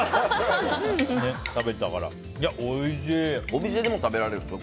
お店でも食べられるでしょ？